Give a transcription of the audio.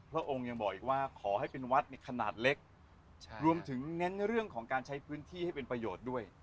พระองค์ยังบอกอีกว่าขอให้เป็นวัดในขนาดเล็กรวมถึงเน้นเรื่องของการใช้พื้นที่ให้เป็นประโยชน์ด้วย